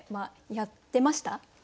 やってましたね。